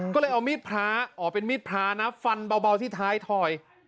ก็เลยเอามีดพระอ๋อเป็นมีดพระนะฟันเบาที่ท้ายถอย